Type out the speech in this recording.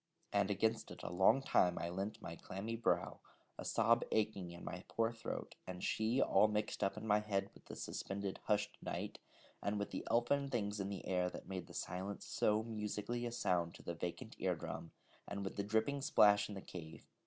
And against it a long time I leant my clammy brow, a sob aching in my poor throat, and she all mixed up in my head with the suspended hushed night, and with the elfin things in the air that made the silence so musically a sound to the vacant ear drum, and with the dripping splash in the cave.